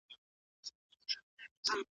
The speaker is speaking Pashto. که خیبر مڼه مڼه شي زه یې څه کړم